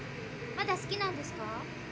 まだ好きなんですか？